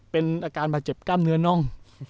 เป็นอาการบาดเจ็บกล้ามเนื้อน่อง